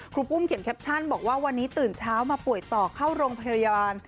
รูปุ้มเขียนแคปชั่นบอกว่าวันนี้ตื่นเช้ามาป่วยต่อเข้าโรงพยาบาล